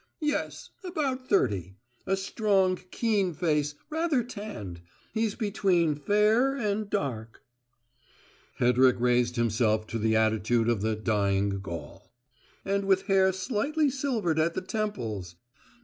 "Yes about thirty. A strong, keen face, rather tanned. He's between fair and dark " Hedrick raised himself to the attitude of the "Dying Gaul." "And with `hair slightly silvered at the temples!'